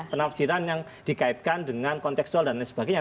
penafsiran yang dikaitkan dengan konteksual dan lain sebagainya